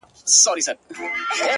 د چا په برېت کي ونښتې پېزوانه سرگردانه!